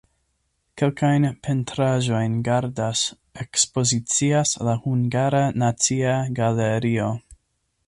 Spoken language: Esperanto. Kelkajn pentraĵojn gardas, ekspozicias la Hungara Nacia Galerio.